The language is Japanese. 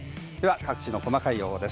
各地の細かい予報です。